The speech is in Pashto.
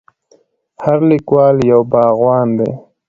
هر لیکوال یو باغوان دی.